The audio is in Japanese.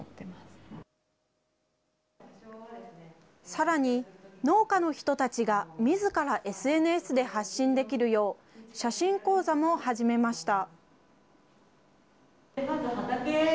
さらに、農家の人たちがみずからＳＮＳで発信できるよう、写真講座も始めました。